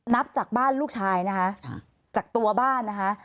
นับจากบ้านลูกชายนะคะจากตัวบ้านนะคะ